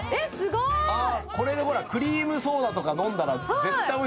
クリームソーダとか飲んだら絶対おいしい。